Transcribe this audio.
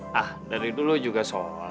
hah dari dulu juga shalat